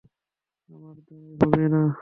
আমার দ্বারা হবেই না।